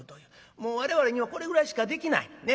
もう我々にはこれぐらいしかできない。ね？